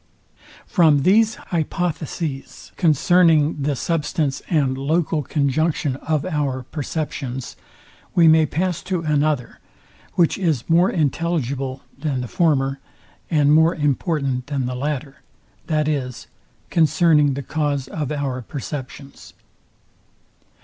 From these hypotheses concerning the substance and local conjunction of our perceptions, we may pass to another, which is more intelligible than the former, and more important than the latter, viz. concerning the cause of our perceptions.